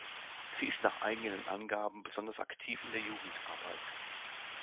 Sie ist nach eigenen Angaben besonders aktiv in der Jugendarbeit.